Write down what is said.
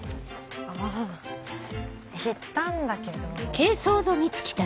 あぁ言ったんだけど。